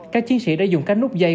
các chiến sĩ đã dùng các nút dây